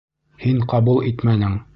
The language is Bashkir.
Һин ҡабул итмәнең.